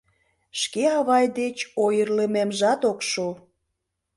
Шке авай деч ойырлымемжат ок шу